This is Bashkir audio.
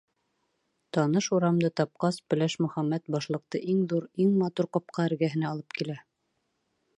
Таныш урамды тапҡас, Пеләш Мөхәммәт башлыҡты иң ҙур, иң матур ҡапҡа эрһәгенә алып килә.